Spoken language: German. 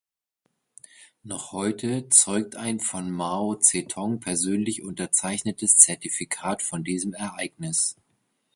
Noch heute zeugt ein von Mao Tse Tong persönlich unterzeichnetes Zertifikat von diesem Ereignis.